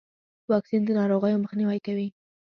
واکسین د ناروغیو مخنیوی کوي.